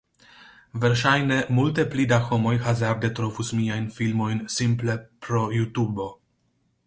Verŝajne multe pli da homoj hazarde trovus miajn filmojn simple pro JuTubo